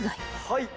はい。